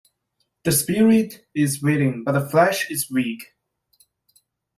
The spirit is willing but the flesh is weak.